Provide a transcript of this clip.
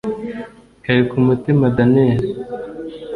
Karikumutima Daniel